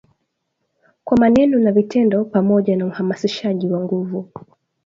kwa maneno na vitendo pamoja na uhamasishaji wa nguvu